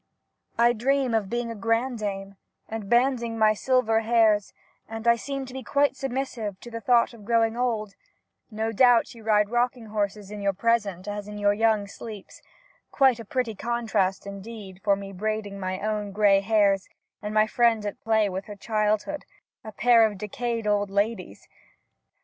I dream of being a grandame, and banding my silver hairs, and I seem to be quite submissive to the thought of growing old ; no doubt you ride rocking horses in your present as in young sleeps — quite a pretty contrast indeed, of me braiding my own gray hairs, and my friend at play with her childhood, a pair of decayed old ladies